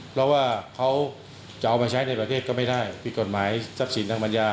เพราะว่าเขาจะเอามาใช้ในประเทศก็ไม่ได้ผิดกฎหมายทรัพย์สินทางปัญญา